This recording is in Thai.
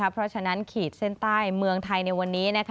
เพราะฉะนั้นขีดเส้นใต้เมืองไทยในวันนี้